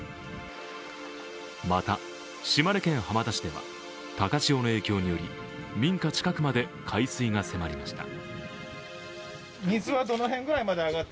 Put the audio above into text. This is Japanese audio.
また島根県浜田市では高潮の影響により民家近くまで海水が迫りました。